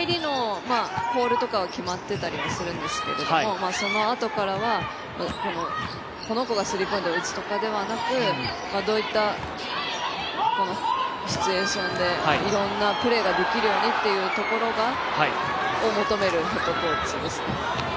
入りは決まってたりするんですけどこの子がスリーポイントを打つとかではなくどういったシチュエーションでいろんなプレーができるようにっていうところを求めるヘッドコーチですね。